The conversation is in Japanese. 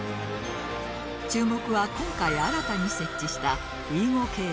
注目は今回新たに設置したＥ５系です。